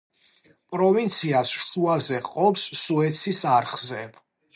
პროვინციას შუაზე ჰყოფს სუეცის არხზე.